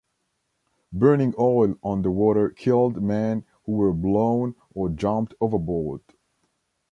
Burning oil on the water killed men who were blown or jumped overboard.